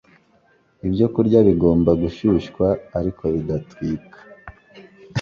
Ibyokurya Bigomba Gushyushywa, Ariko Bidatwika